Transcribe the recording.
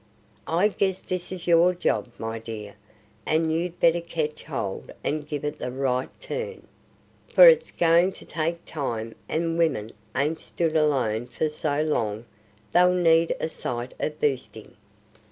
I guess this is your next job, my dear, and you'd better ketch hold and give it the right turn; for it's goin' to take time, and women ain't stood alone for so long they'll need a sight of boostin'."